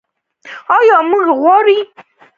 آیا موږ یې غواړو؟